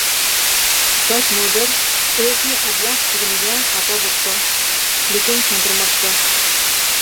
باش مۇدىر ئۆزىنى «ئەبلەخ» دېگىنىگە خاپا بوپتۇ، لېكىن چاندۇرماپتۇ.